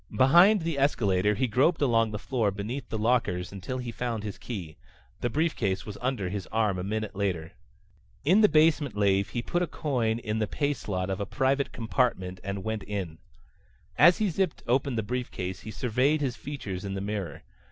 Behind the escalator he groped along the floor beneath the lockers until he found his key. The briefcase was under his arm a minute later. In the basement lave he put a coin in the pay slot of a private compartment and went in. As he zipped open the briefcase he surveyed his features in the mirror.